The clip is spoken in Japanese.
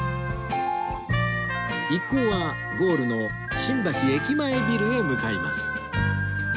一行はゴールの新橋駅前ビルへ向かいます